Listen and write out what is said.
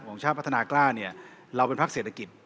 ชาติพัฒนากล้าเนี่ยเราเป็นพักเศรษฐกิจ